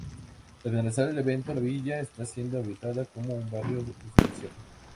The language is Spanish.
Tras finalizar el evento la villa está siendo habilitada como un barrio residencial.